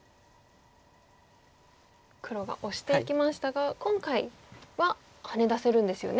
黒がオシていきましたが今回はハネ出せるんですよね？